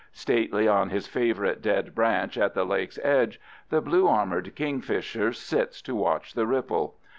Stately on his favorite dead branch at the lake's edge the blue armored kingfisher sits to watch the ripple.